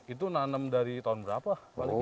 itu nanam dari tahun berapa pak likin